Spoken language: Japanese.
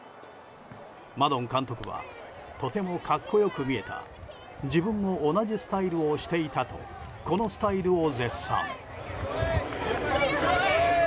マドン監督はとても格好よく見えた自分も同じスタイルをしていたとこのスタイルを絶賛。